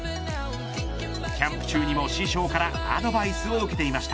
キャンプ中にも師匠からアドバイスを受けていました。